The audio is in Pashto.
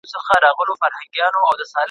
يو ځوان په ټولني کي خپل عزت لوړ ساتی.